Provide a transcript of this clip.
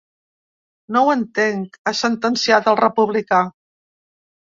No ho entenc, ha sentenciat el republicà.